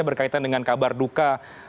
berkaitan dengan kabar duka